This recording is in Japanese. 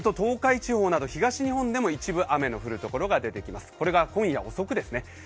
そして午後になると、東海地方など東日本でも一部雨の降る所が出てきます。